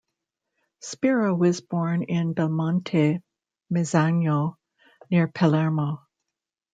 Spera was born in Belmonte Mezzagno, near Palermo.